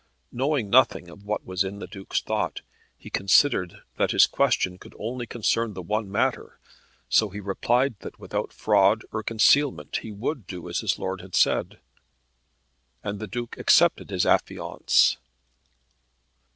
Knowing nothing of what was in the Duke's thought, he considered that his question could only concern the one matter; so he replied that without fraud or concealment he would do as his lord had said. Thus he pledged his faith, and the Duke accepted his affiance.